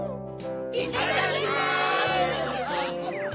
いただきます！